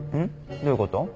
どういうこと？